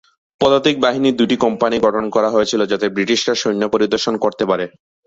পদাতিক বাহিনীর দুটি কোম্পানি গঠন করা হয়েছিল যাতে ব্রিটিশরা সৈন্য পরিদর্শন করতে পারে।